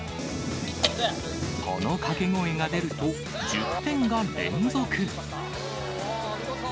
この掛け声が出ると、１０点が連続。